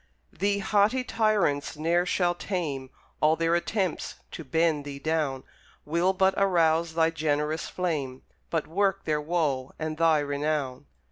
Thee haughty tyrants ne'er shall tame; All their attempts to bend thee down Will but arouse thy generous flame, But work their woe and thy renown.